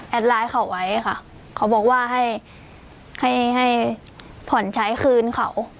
ไลน์เขาไว้ค่ะเขาบอกว่าให้ให้ผ่อนใช้คืนเขา